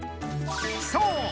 そう！